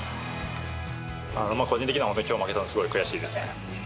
個人的には、本当にきょう負けたのはすごい悔しいです。